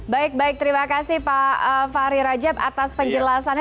baik baik terima kasih pak fahri rajab atas penjelasannya